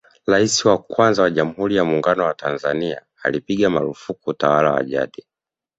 Rais wa kwanza wa Jamhuri ya Muungano wa Tanzania alipiga maarufuku utawala wa jadi